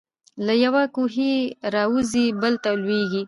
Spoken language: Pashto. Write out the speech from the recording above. له یوه کوهي را وزي بل ته لوېږي.